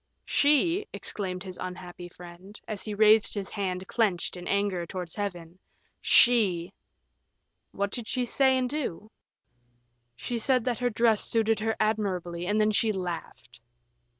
"She," exclaimed his unhappy friend, as he raised his hand clenched in anger, towards Heaven. "She! " "What did she say and do?" "She said that her dress suited her admirably, and then she laughed."